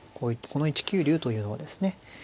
この１九竜というのはですね